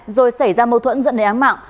rồi xảy ra mâu thuẫn dẫn đến áng mạng